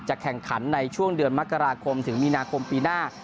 แข่งขันในช่วงเดือนมกราคมถึงมีนาคมปีหน้า